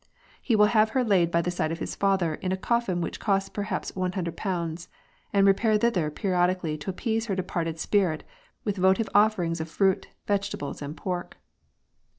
He will have her laid by the side of his father, in a coffin which cost perhaps £100, and repair thither periodically to appease her departed spirit with votive offerings of fruit, vegetables, and pork.